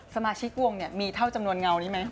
สมาชิกวงมีเท่าจำนวนเงานี่มั้ย